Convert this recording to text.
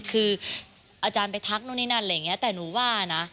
คืออาจารย์ไปทักณอย่างงี้แต่หนูว่านะ